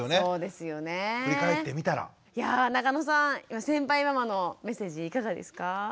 いや中野さん先輩ママのメッセージいかがですか？